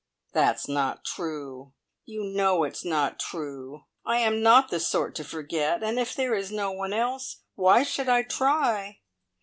"That's not true! You know it's not true. I am not the sort to forget. And if there is no one else, why should I try?